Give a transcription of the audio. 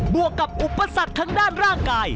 วกกับอุปสรรคทางด้านร่างกาย